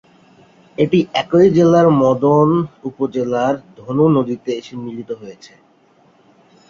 এটি একই জেলার মদন উপজেলার ধনু নদীতে এসে মিলিত হয়েছে।